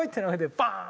バーン！